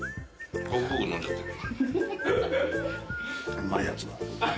うまいやつだ。